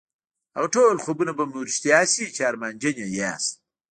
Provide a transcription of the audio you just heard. هغه ټول خوبونه به مو رښتيا شي چې ارمانجن يې ياست.